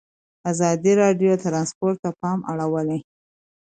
ازادي راډیو د ترانسپورټ ته پام اړولی.